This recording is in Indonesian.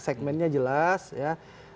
segmentnya jelas ya